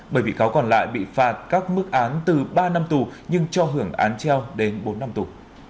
bởi bị cáo còn lại bị phạt các mức án từ ba năm tù nhưng cho hưởng án treo đến bốn năm tù